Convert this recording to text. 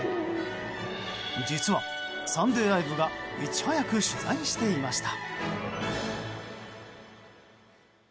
実は「サンデーＬＩＶＥ！！」がいち早く取材していました。